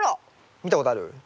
見たことある？